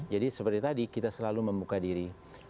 jadi seperti tadi kita selalu membuka diri